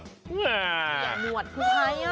เหี้ยหนวดคือใครอะ